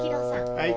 はい。